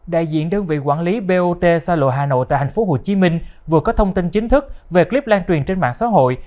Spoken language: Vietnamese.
đại diện đơn vị quản lý bot xa lộ hà nội tại tp hcm vừa có thông tin chính thức về clip lan truyền trên mạng xã hội